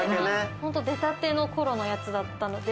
ホント出たての頃のやつだったので。